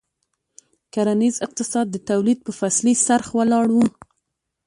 کرنیز اقتصاد د تولید په فصلي څرخ ولاړ و.